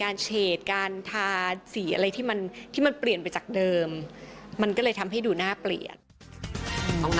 เราต้องนัดหมอแล้วหมอตัวเอง